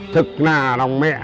thực là lòng mẹ